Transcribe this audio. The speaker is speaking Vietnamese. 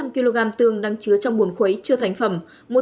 bốn trăm linh kg tương đang chứa trong buồn khuấy chưa thành phẩm